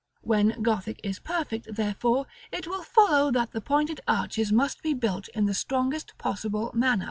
When Gothic is perfect, therefore, it will follow that the pointed arches must be built in the strongest possible manner.